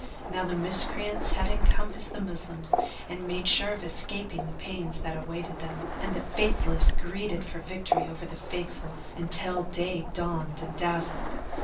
Now the miscreants had encompassed the Moslems and made sure of escaping the pains that awaited them; and the Faithless greeded for victory over the Faithful until day dawned and dazzled.